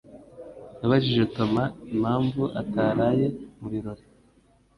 Nabajije Toma impamvu ataraye mu birori